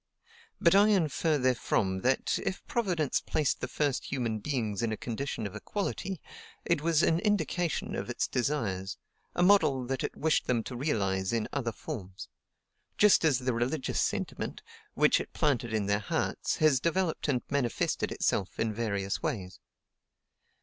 But I infer therefrom that, if Providence placed the first human beings in a condition of equality, it was an indication of its desires, a model that it wished them to realize in other forms; just as the religious sentiment, which it planted in their hearts, has developed and manifested itself in various ways.